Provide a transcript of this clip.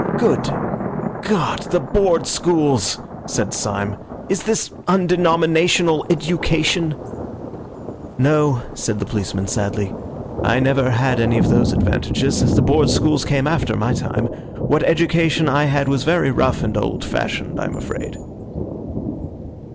"Good God, the Board Schools!" said Syme. "Is this undenominational education?" "No," said the policeman sadly, "I never had any of those advantages. The Board Schools came after my time. What education I had was very rough and old fashioned, I am afraid."